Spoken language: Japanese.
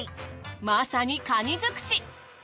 まさにカニ尽くし！